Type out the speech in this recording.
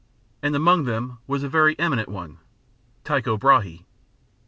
And among them was a very eminent one, Tycho Brahé.